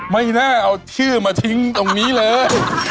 ไม่น่าเอาชื่อมาทิ้งตรงนี้เลย